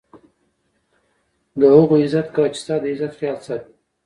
د هغو عزت کوه، چي ستا دعزت خیال ساتي.